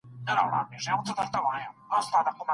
موږ ولي ډېري مڼې راوړې؟